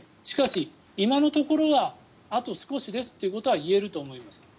しかし、今のところはあと少しですということは言えると思います。